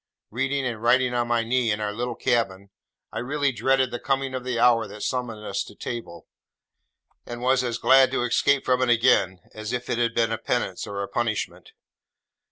Reading and writing on my knee, in our little cabin, I really dreaded the coming of the hour that summoned us to table; and was as glad to escape from it again, as if it had been a penance or a punishment.